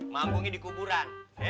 manggungnya di kuburan